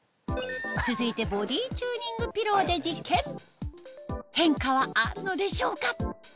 続いてボディーチューニングピローで実験変化はあるのでしょうか？